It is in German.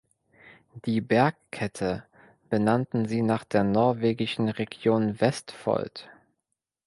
Die Bergkette benannten sie nach der norwegischen Region Vestfold.